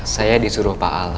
saya disuruh pak al